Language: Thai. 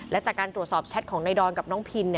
และจากการตรวจสอบแชทของนายดอนกับน้องพิน